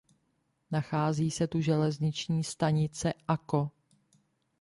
Nachází se tu železniční stanice Akko.